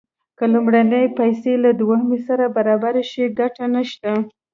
که لومړنۍ پیسې له دویمې سره برابرې شي ګټه نشته